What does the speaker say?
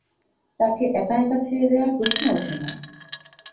তাকে এক-একা ছেড়ে দেওয়ার প্রশ্ন ওঠে না।